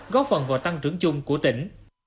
góp phần vào tăng trưởng chung của tỉnh